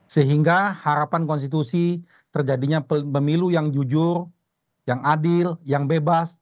sehingga harapan konstitusi terjadinya pemilu yang jujur yang adil yang bebas